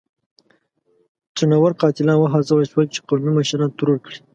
څڼيور قاتلان وهڅول شول چې قومي مشران ترور کړي.